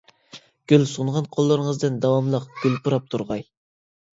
گۈل سۇنغان قوللىرىڭىزدىن داۋاملىق گۈل پۇراپ تۇرغاي!